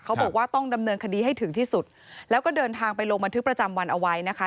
เขาบอกว่าต้องดำเนินคดีให้ถึงที่สุดแล้วก็เดินทางไปลงบันทึกประจำวันเอาไว้นะคะ